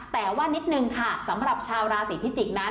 แต่ว่านิดนึงค่ะสำหรับชาวราศีพิจิกษ์นั้น